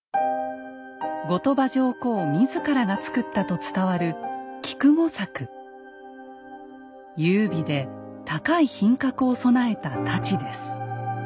後鳥羽上皇自らが作ったと伝わる優美で高い品格を備えた太刀です。